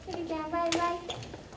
バイバイ！